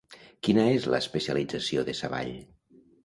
Quina és l'especialització de Savall?